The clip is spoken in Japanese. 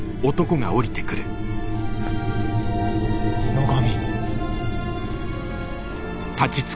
野上。